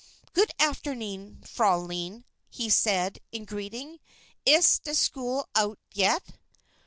"Goot afternoon, fraulein," he said, in greeting. "Iss de school oudt yet?"